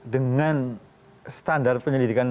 dengan standar penyelidikan